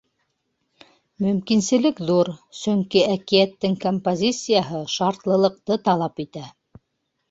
Мөмкинселек ҙур, сөнки әкиәттең композицияһы шартлылыҡты талап итә.